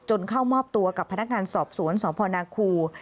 เข้ามอบตัวกับพนักงานสอบสวนสพนาคู